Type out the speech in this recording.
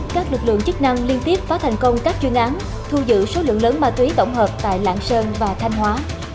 các lực lượng chức năng liên tiếp phá thành công các chuyên án thu giữ số lượng lớn ma túy tổng hợp tại lạng sơn và thanh hóa